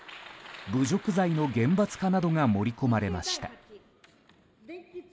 侮辱罪の厳罰化などが盛り込まれました。